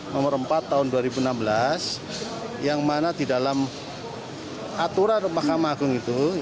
nomor empat tahun dua ribu enam belas yang mana di dalam aturan mahkamah agung itu